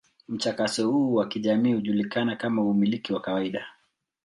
Mchakato huu wa kijamii hujulikana kama umiliki wa kawaida.